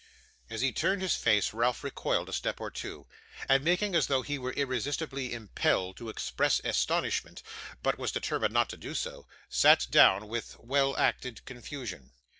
As he turned his face, Ralph recoiled a step or two, and making as though he were irresistibly impelled to express astonishment, but was determined not to do so, sat down with well acted confusion.